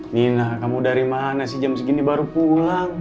nina kamu dari mana sih jam segini baru pulang